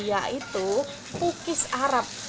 yaitu kukis arab